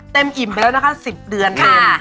อิ่มไปแล้วนะคะ๑๐เดือนเอง